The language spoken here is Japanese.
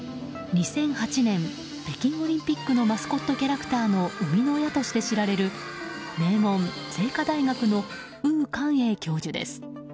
２００８年、北京オリンピックのマスコットキャラクターの生みの親として知られる名門・精華大学のウー・カンエイ教授です。